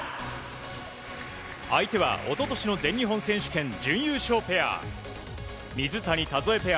相手は一昨年の全日本選手権準優勝ペア。